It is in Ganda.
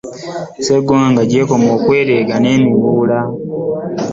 Sseggwanga gy'ekoma okwerega ne miwula.